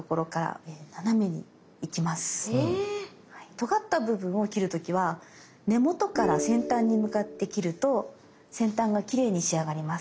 とがった部分を切る時は根元から先端に向かって切ると先端がきれいに仕上がります。